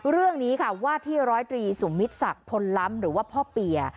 เรื่องนี้ค่ะว่าที่ร้อยตรีสุมมิตรศักดิ์พลล้ำหรือว่าพ่อเปีย